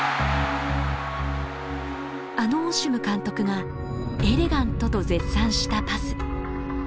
あのオシム監督が「エレガント」と絶賛したパス。